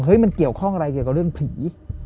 มันเกี่ยวข้องอะไรเกี่ยวกับเรื่องผี